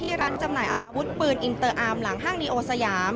ร้านจำหน่ายอาวุธปืนอินเตอร์อาร์มหลังห้างดีโอสยาม